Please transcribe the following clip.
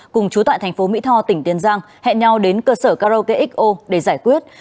cùng chú tại tp mỹ tho tỉnh tiền giang hẹn nhau đến cơ sở carrow kxo để giải quyết